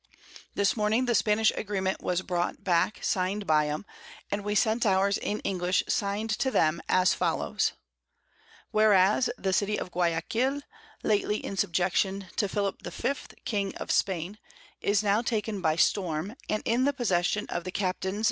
This Morning the Spanish Agreement was brought back sign'd by 'em, and we sent ours in English sign'd to them as follows: "Whereas the City of Guiaquil, lately in subjection to Philip V. King of Spain, is now taken by Storm, and in the Possession of the Capts.